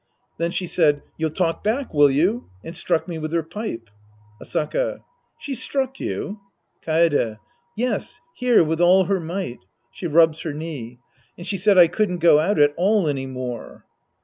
Then she said, " You'll talk back, will you ?" and struck me with her pipe. Asaka. She struck you ? Kaede. Yes. Here, with all her might. i^She rubs her knee.) And she said I couldn't go out at all any more.